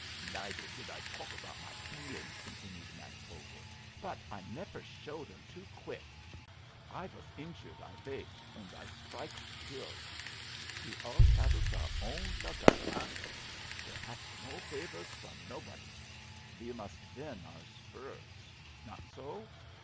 "Neider did I talk about my feelings," continued Max Vogel, "but I nefer show them too quick. If I was injured I wait, and I strike to kill. We all paddles our own dugout, eh? We ask no favors from nobody; we must win our spurs! Not so?